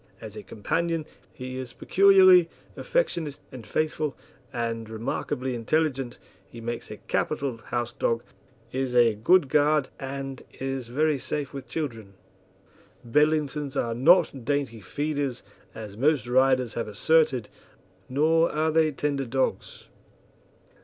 As a companion he is peculiarly affectionate and faithful, and remarkably intelligent; he makes a capital house dog, is a good guard and is very safe with children. Bedlingtons are not dainty feeders, as most writers have asserted, nor are they tender dogs.